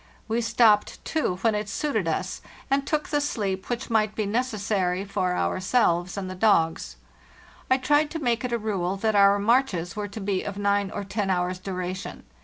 We stopped, too, when it suited us, and took the sleep which might be necessary for our selves and the dogs. I tried to make it a rule that our marches were to be of nine or ten hours' duration.